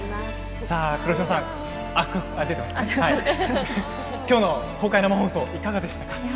黒島さん、きょうの公開生放送いかがでしたか。